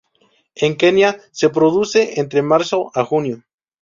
En Kenia se reproduce entre marzo a junio.